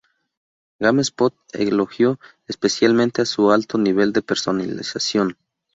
Gamespot elogió especialmente su alto nivel de personalización.